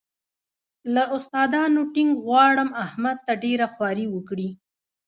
له استادانو ټینګ غواړم احمد ته ډېره خواري وکړي.